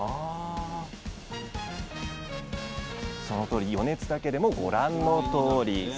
そのとおり余熱だけでもご覧のとおり！